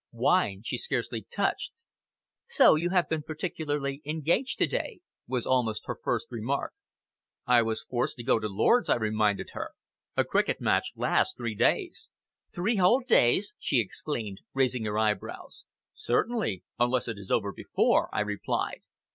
Wine she scarcely touched. "So you have been particularly engaged to day," was almost her first remark. "I was forced to go to Lord's," I reminded her. "A cricket match lasts three days." "Three whole days!" she exclaimed, raising her eyebrows. "Certainly! unless it is over before," I replied.